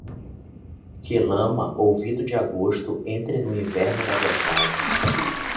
Que lama, ouvido de agosto, entre no inverno da verdade.